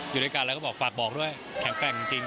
อยู่ด้วยกันแล้วก็บอกฝากบอกด้วยแข็งแกร่งจริง